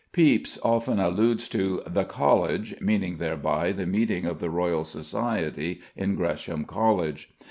Pepys often alludes to "The College," meaning thereby the meetings of the Royal Society in Gresham College.